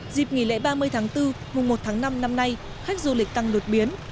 dịp nghỉ lễ ba mươi tháng bốn mùa một tháng năm năm nay khách du lịch tăng đột biến